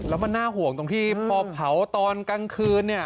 แล้วมันน่าห่วงตรงที่พอเผาตอนกลางคืน